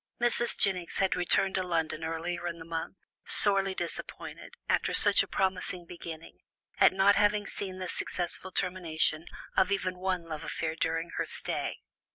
Mrs. Jennings had returned to London earlier in the month, sorely disappointed, after such a promising beginning, at not having seen the successful termination of even one love affair during her stay.